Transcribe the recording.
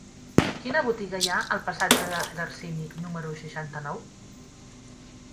Quina botiga hi ha al passatge de Garcini número seixanta-nou?